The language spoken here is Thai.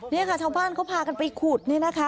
นี่ค่ะชาวบ้านเขาพากันไปขุดนี่นะคะ